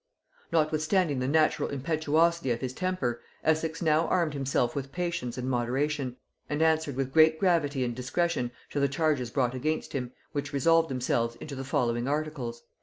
Notwithstanding the natural impetuosity of his temper, Essex now armed himself with patience and moderation, and answered with great gravity and discretion to the charges brought against him, which resolved themselves into the following articles.